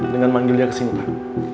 dengan manggil dia kesini pak